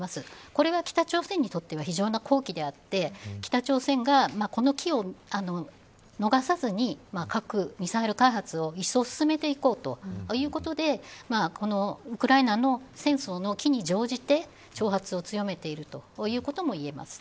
これは北朝鮮にとっては非常な好機であって北朝鮮が、この機を逃さずに核ミサイル開発を一層進めていこうということでこのウクライナの戦争の機に乗じて挑発を強めているということも言えます。